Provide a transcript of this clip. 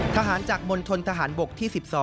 ทหารจากมณฑนทหารบกที่๑๒